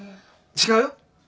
違うよ。